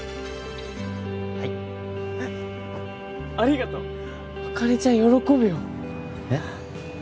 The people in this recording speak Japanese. はいありがとう茜ちゃん喜ぶよえっ？